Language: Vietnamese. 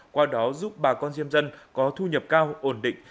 qua đó giúp bà con diêm dân có thu nhập cao ổn định